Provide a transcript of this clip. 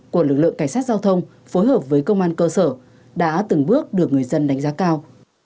của lực lượng cảnh sát giao thông phối hợp với công an cơ sở đã từng bước được người dân đánh giá cao